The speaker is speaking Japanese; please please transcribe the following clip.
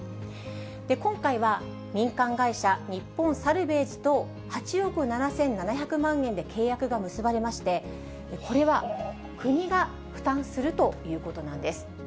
今回は民間会社、日本サルヴェージと８億７７００万円で契約が結ばれまして、これは国が負担するということなんです。